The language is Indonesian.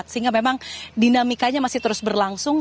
sehingga memang dinamikanya masih terus berlangsung